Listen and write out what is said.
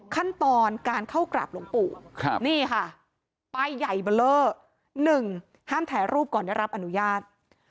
ขั้นตอนการเข้ากราบหลวงปู่นี่ค่ะป้ายใหญ่เบอร์เลอร์๑ห้ามถ่ายรูปก่อนได้รับอนุญาต